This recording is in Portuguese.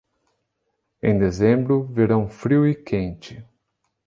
Em dezembro, verão frio e quente.